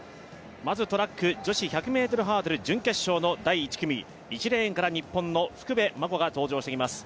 まずトラック、女子１００ｍハードル準決勝の第１組、１レーンから日本の福部真子が登場してきます。